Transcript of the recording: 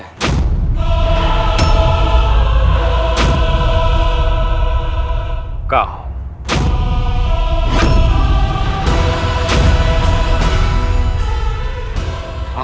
aku putramu kian santang ayahanda